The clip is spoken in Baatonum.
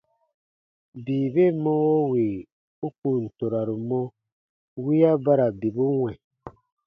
Bii ben mɔwo wì u kùn toraru mɔ, wiya ba ra bibu wɛ̃.